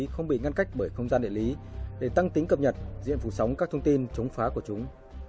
không bị ngăn cách bởi không gian địa lý để tăng tính cập nhật diện phủ sóng các thông tin chống phá của chúng